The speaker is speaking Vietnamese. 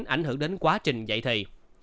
ảnh hưởng đến các loại vaccine covid một mươi chín